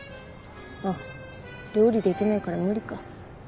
あっ料理できないから無理か。